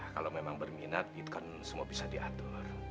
kalau memang berminat itu kan semua bisa diatur